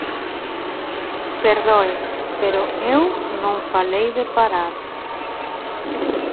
Perdoe, pero eu non falei de parar.